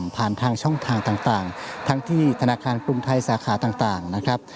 ผ่านทางช่องทางต่างทั้งที่ธนาคารกรุงไทยสาขาต่างนะครับ